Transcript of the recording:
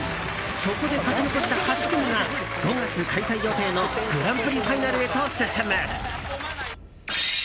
そこで勝ち残った８組が５月開催予定のグランプリファイナルへと進む。